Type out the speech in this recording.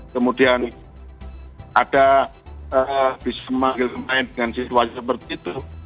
kemudian ada bisa main main dengan situasi seperti itu